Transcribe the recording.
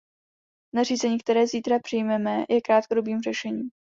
Nařízení, které zítra přijmeme, je krátkodobým řešením.